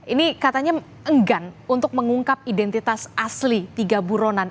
ini katanya enggan untuk mengungkap identitas asli tiga buronan